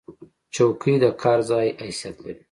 چوکۍ د کار ځای حیثیت لري.